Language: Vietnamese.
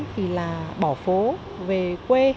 thì là bỏ phố về quê